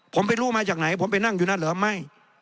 ผมไม่รู้มาจากไหนผมไปนั่งอยู่นั่นเหรอไม่